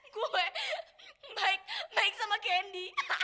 gue baik baik sama kendi